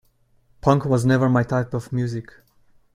Punk was never my type of music.